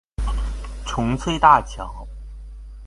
重翠大橋